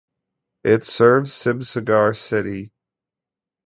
It serves Sibsagar city.